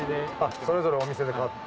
それぞれお店で買って。